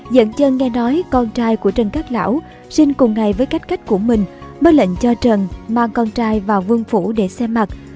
dẫn chân nghe nói con trai của trần cát lão sinh cùng ngày với cách cách của mình mới lệnh cho trần mang con trai vào vương phủ để xem mặt